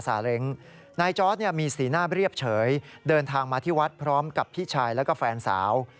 สีหน้าเรียบเฉยเดินทางมาที่วัดพร้อมกับพี่ชายและแฟนสาว